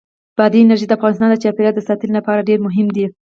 بادي انرژي د افغانستان د چاپیریال ساتنې لپاره ډېر مهم دي.